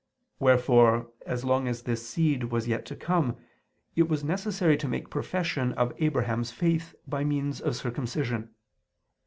Wherefore, as long as this seed was yet to come, it was necessary to make profession of Abraham's faith by means of circumcision.